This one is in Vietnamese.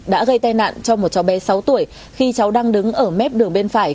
đã gây tai nạn cho một cháu bé sáu tuổi khi cháu đang đứng ở mép đường bên phải